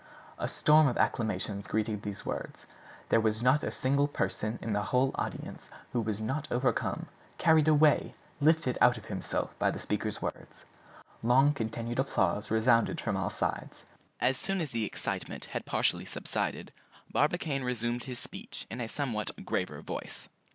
A storm of acclamations greeted these words. There was not a single person in the whole audience who was not overcome, carried away, lifted out of himself by the speaker's words! Long continued applause resounded from all sides. As soon as the excitement had partially subsided, Barbicane resumed his speech in a somewhat graver voice.